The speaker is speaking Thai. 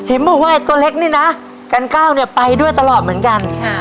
เห็นบอกว่าไอ้ตัวเล็กนี่นะกันก้าวเนี่ยไปด้วยตลอดเหมือนกัน